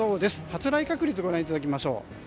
発雷確率をご覧いただきます。